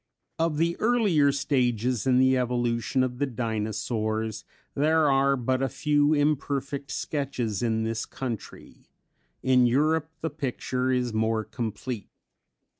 Of the earlier stages in the evolution of the Dinosaurs there are but a few imperfect sketches in this country; in Europe the picture is more complete.